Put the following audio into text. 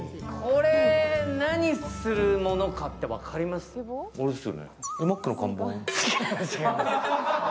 これ、何するものかって分かります？